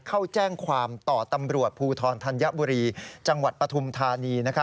เข้าแจ้งความต่อตำรวจภูทรธัญบุรีจังหวัดปฐุมธานี